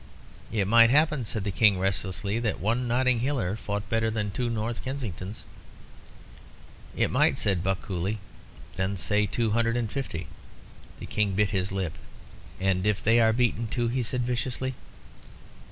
"It might happen," said the King, restlessly, "that one Notting Hiller fought better than two North Kensingtons." "It might," said Buck, coolly; "then say two hundred and fifty." The King bit his lip. "And if they are beaten too?" he said viciously.